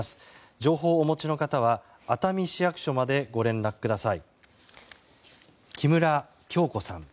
情報をお持ちの方は熱海市役所までご連絡ください。